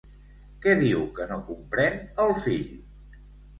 Què diu que no comprèn, el fill?